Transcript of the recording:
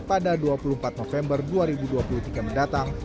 pada dua puluh empat november dua ribu dua puluh tiga mendatang